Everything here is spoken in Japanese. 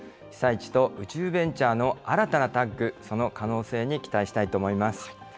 被災地と宇宙ベンチャーの新たなタッグ、その可能性に期待したいと思います。